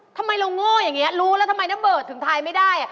ทำไมเราโง่อย่างนี้รู้แล้วทำไมน้าเบิร์ตถึงทายไม่ได้